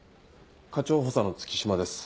課長補佐の月島です